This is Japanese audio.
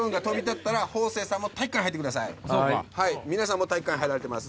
皆さん体育館に入られてます